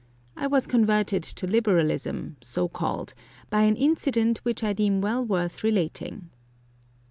I was converted to Liberalism, so called, by an incident which I deem well worth relating.